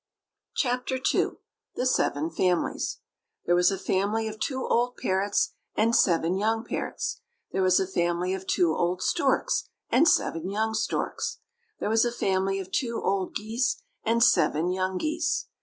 CHAPTER II THE SEVEN FAMILIES There was a family of two old parrots and seven young parrots. There was a family of two old storks and seven young storks. There was a family of two old geese and seven young geese.